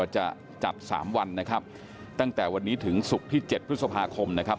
จะจัดสามวันนะครับตั้งแต่วันนี้ถึงศุกร์ที่๗พฤษภาคมนะครับ